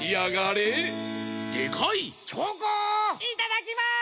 いただきます！